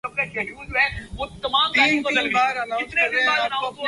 اس کا مطلب ان عوامل کو بدلنا ہے جو آج کے سیاسی منظرنامے کے صورت گر ہیں۔